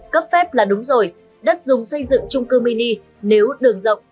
cấp phép là đúng rồi đất dùng xây dựng trung cư mini nếu đường rộng